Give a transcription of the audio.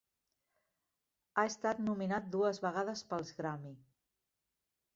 Ha estat nominat dues vegades pels Grammy.